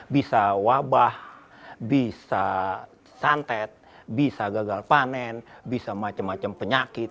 bisa wabah bisa santet bisa gagal panen bisa macam macam penyakit